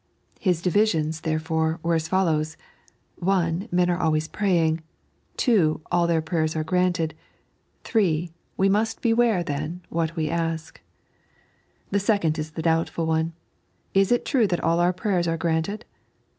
His diviBions, therefore, were ae follows :— (1) Hen are always [irayiiig; (2) all their prayers are granted ; (3) we must beware, then, what we ask. The seoond is the doubtful one. Is it true that aH our prayers are granted